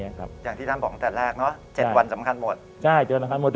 อย่างที่ท่านบอกตั้งแต่แรก๗วันสำคัญหมด